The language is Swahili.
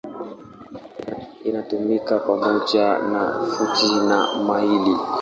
Inatumika pamoja na futi na maili.